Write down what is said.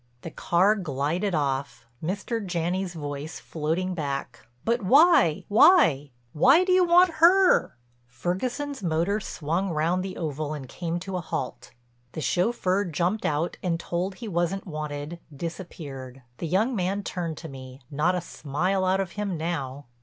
The car glided off, Mr. Janney's voice floating back: "But why, why—why do you want her?" Ferguson's motor swung round the oval and came to a halt. The chauffeur jumped out, and, told he wasn't wanted, disappeared. The young man turned to me, not a smile out of him now.